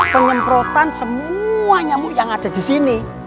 penyemprotan semua nyamuk yang ada di sini